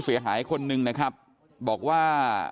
เดี๋ยวให้กลางกินขนม